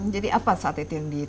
jadi apa saat itu yang ditemukan